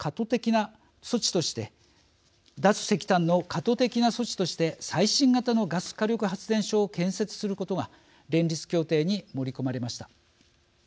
脱石炭の過度的な措置として最新型のガス火力発電所を建設することが連立協定に盛り込まれました。